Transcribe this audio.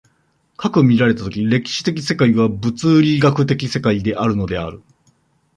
斯く見られた時、歴史的世界は物理学的世界であるのである、